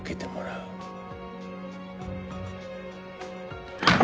うっ！